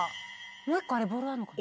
もう１個ボールあるのかな。